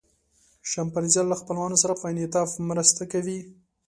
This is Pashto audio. شامپانزیان له خپلوانو سره په انعطاف مرسته کوي.